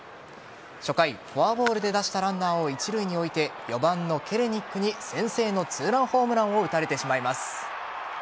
初回フォアボールで出したランナーを一塁に置いて４番のケレニックに先制の２ランホームランを打たれてしまいます。